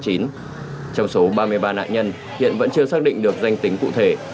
trong số ba mươi ba nạn nhân hiện vẫn chưa xác định được danh tính cụ thể